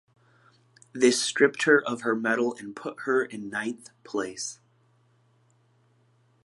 This stripped her of her medal and put her in ninth place.